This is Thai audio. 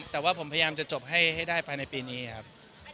แต่ว่าผมพยายามจะจบให้ได้ไปในปีนี้ครับ